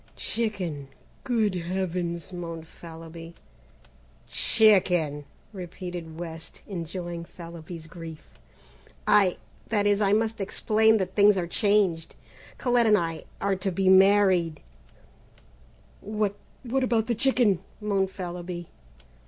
"Chicken! Good heavens!" moaned Fallowby. "Chicken," repeated West, enjoying Fallowby's grief; "I that is, I must explain that things are changed. Colette and I are to be married " "What what about the chicken?" groaned Fallowby.